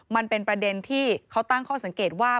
มันเป็นประเด็นที่เขาตั้งข้อสังเกตว่า